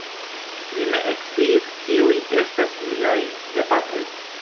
Li ne sciis, kiuj estas liaj gepatroj.